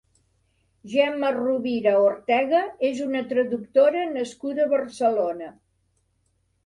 Gemma Rovira Ortega és una traductora nascuda a Barcelona.